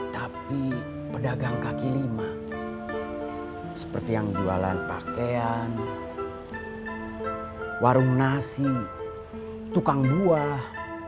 tapi pedagang kaki lima seperti yang jualan pakaian warung nasi tukang buah